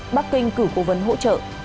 bắc kinh cử cố vấn hỗ trợ